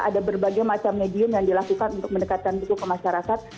ada berbagai macam medium yang dilakukan untuk mendekatkan buku ke masyarakat